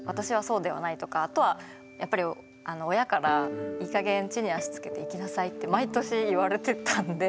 あとはやっぱり親からいいかげん地に足つけていきなさいって毎年言われてたんで。